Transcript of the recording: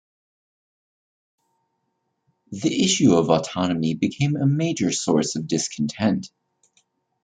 The issue of autonomy became a major source of discontent.